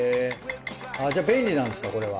あっじゃあ便利なんですかこれは？